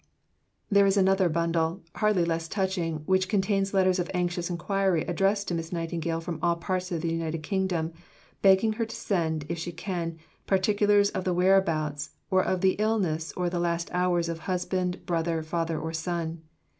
There is another bundle, hardly less touching, which contains letters of anxious inquiry addressed to Miss Nightingale from all parts of the United Kingdom, begging her to send, if she can, particulars of the whereabouts or of the illness or of the last hours of husband, brother, father, or son.